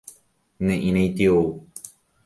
Ne'írãiti ou